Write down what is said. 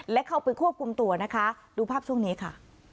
และเข้าไปควบคุมตัวนะคะดูภาพช่วงนี้ค่ะ